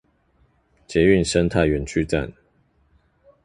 捷運生態園區站